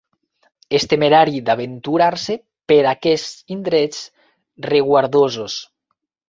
És temerari d'aventurar-se per aquests indrets reguardosos.